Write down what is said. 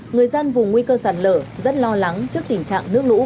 người dân vùng nguy cơ sạt lở rất lo lắng trước tình trạng nước lũ uy hiếp